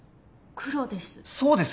黒です